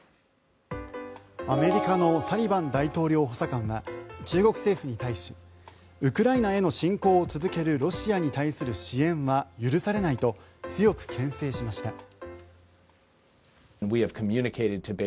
アメリカのサリバン大統領補佐官は中国政府に対しウクライナへの侵攻を続けるロシアに対する支援は許されないと強くけん制しました。